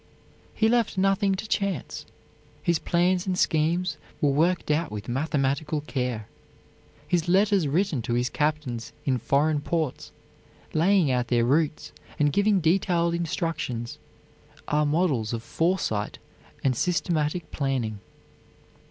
He left nothing to chance. His plans and schemes were worked out with mathematical care. His letters written to his captains in foreign ports, laying out their routes and giving detailed instructions, are models of foresight and systematic planning.